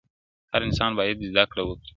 هر انسان باید زده کړه وکړي.